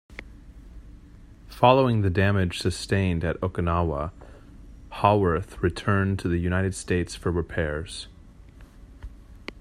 Following the damage sustained at Okinawa, "Howorth" returned to the United States for repairs.